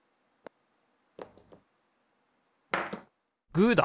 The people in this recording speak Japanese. グーだ！